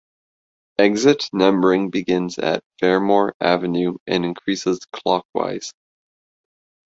Exit numbering begins at Fermor Avenue and increases clockwise.